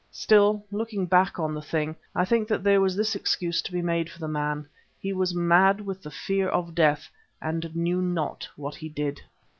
Still, looking back on the thing, I think that there was this excuse to be made for the man. He was mad with the fear of death and knew not what he did.